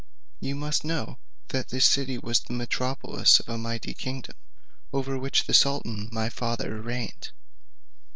You must know, that this city was the metropolis of a mighty kingdom, over which the sultan my father reigned.